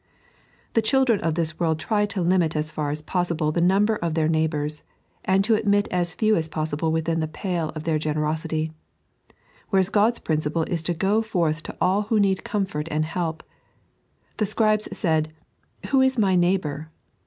The 3.n.iized by Google OuE "Bights." 87 children of this world try to limit as far as possible the number of their neighbours, and to admit as few att possible within the pale of their generosity ; whereas God's principle is to go forth to all who need comfort and help The Scribes said, " Who is my neighbour